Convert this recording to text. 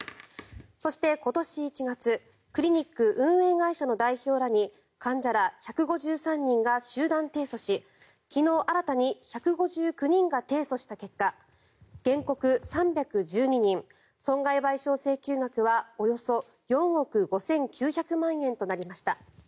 そして、今年１月クリニック運営会社の代表らに患者ら１５３人が集団提訴し昨日、新たに１５９人が提訴した結果原告３１２人損害賠償請求額はおよそ４億５９００万円となりました。